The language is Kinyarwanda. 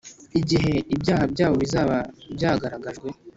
Igihe ibyaha byabo bizaba byagaragajwe,